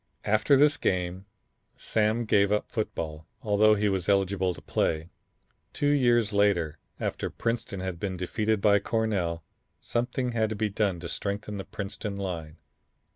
After this game Sam gave up football, although he was eligible to play. Two years later, after Princeton had been defeated by Cornell, something had to be done to strengthen the Princeton line.